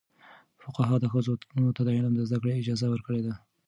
فقهاء ښځو ته د علم زده کړې اجازه ورکړې ده.